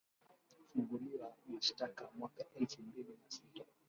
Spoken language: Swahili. funguliwa mashtaka mwaka elfu mbili na sita